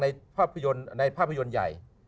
ในภาพยนตร์ใหญ่